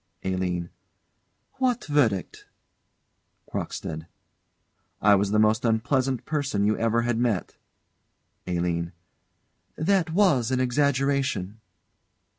ALINE. What verdict? CROCKSTEAD. I was the most unpleasant person you ever had met. ALINE. That was an exaggeration.